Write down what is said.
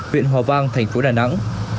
viện hòa vang thành phố đà nẵng